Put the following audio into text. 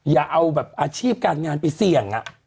อย่าเอาแบบอาชีพการงานไปเสี่ยง